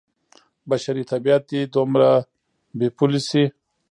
بشري طبعیت دې دومره بې پولې شي.